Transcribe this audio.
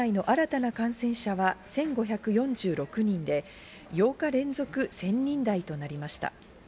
東京都内の新たな感染者は１５４６人で、８日連続で１０００人台となりました。